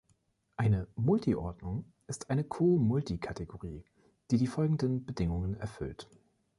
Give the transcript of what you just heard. Eine „Multiordnung“ ist eine Co-Multikategorie, die die folgenden Bedingungen erfüllt.